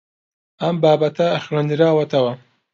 ئەم بابەتە خوێندراوەتەوە.